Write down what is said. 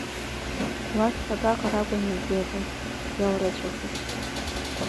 Уарҭалк аҟара акәын иаргьы иҟаз, иаурацәахыз…